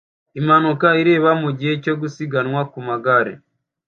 Impanuka iraba mugihe cyo gusiganwa ku magare